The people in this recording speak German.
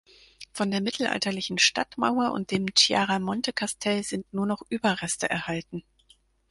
Von der mittelalterlichen Stadtmauer und dem Chiaramonte-Kastell sind nur noch Überreste erhalten.